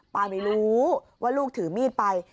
ไม่รู้ว่าลูกถือมีดไป